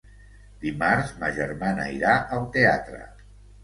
Dimarts ma germana irà al teatre.